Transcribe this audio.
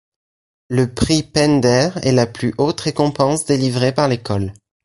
Le prix Pender est la plus haute récompense délivrée par l'école.